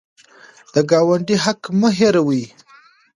د ګاونډي حق مه هېروئ.